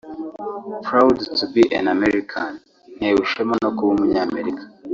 "Proud to be an American" [Ntewe ishema no kuba Umunyamerika]